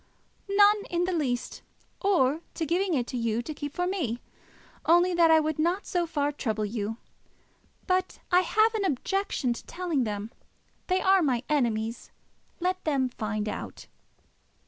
"None in the least: or to giving it you to keep for me, only that I would not so far trouble you. But I have an objection to telling them. They are my enemies. Let them find out."